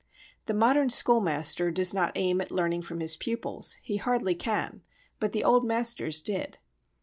The modern schoolmaster does not aim at learning from his pupils, he hardly can, but the old masters did.